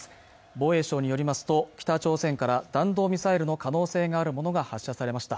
防衛省によりますと北朝鮮から弾道ミサイルの可能性があるものが発射されました